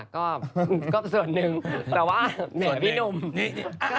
ค่ะก็ส่วนหนึ่งแต่ว่าเหนียวพี่หนุ่ม